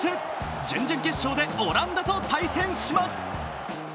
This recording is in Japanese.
準々決勝でオランダと対戦します。